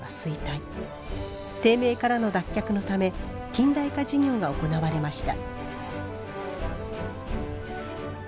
低迷からの脱却のため近代化事業が行われました。